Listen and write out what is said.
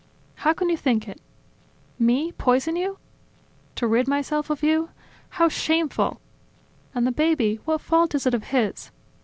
... How can you think it? Me, poison you? ... To rid myself of you? ... How shameful! And the baby, what fault is it of his?